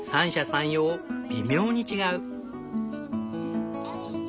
三様微妙に違う。